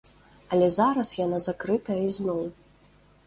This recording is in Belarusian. Але зараз яна закрытая ізноў.